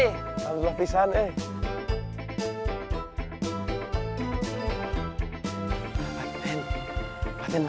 hai allah pisahnya